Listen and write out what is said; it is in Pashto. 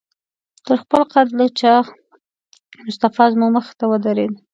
تر خپل قد لږ چاغ مصطفی زموږ مخې ته ودرېد.